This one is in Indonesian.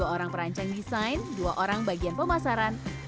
dua puluh orang perancang desain dua orang bagian pemasaran